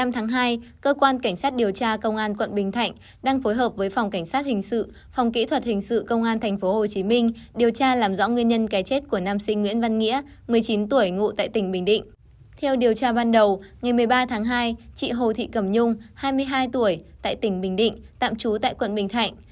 theo điều tra ban đầu ngày một mươi ba tháng hai chị hồ thị cẩm nhung hai mươi hai tuổi tại tỉnh bình định tạm trú tại quận bình thạnh